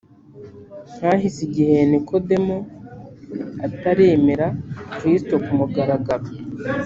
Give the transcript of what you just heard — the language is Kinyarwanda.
Hahise igihe Nikodemo ataremera Kristo ku mugaragaro